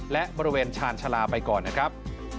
และบริเวณชาญชาลาไปก่อนนะครับ